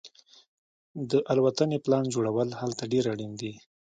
د الوتنې پلان جوړول هلته ډیر اړین دي